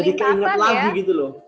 jadi keinget lagi gitu loh